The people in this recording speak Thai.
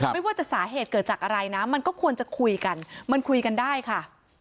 ไม่ว่าจะสาเหตุเกิดจากอะไรนะมันก็ควรจะคุยกันมันคุยกันได้ค่ะ